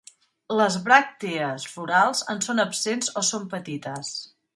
Les bràctees florals en són absents o són petites.